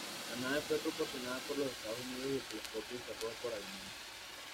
La nave fue proporcionada por los Estados Unidos y el telescopio infrarrojo por Alemania.